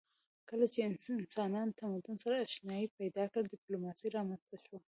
کله چې انسانانو تمدن سره آشنايي پیدا کړه ډیپلوماسي رامنځته شوه